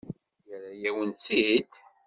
Yerra-yawen-tt-id?